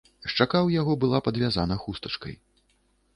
Шчака ў яго была падвязана хустачкай.